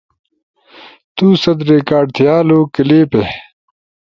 تو ست ریکارڈ تھیالو کلپس